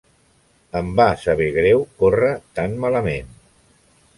Em va saber greu córrer tan malament.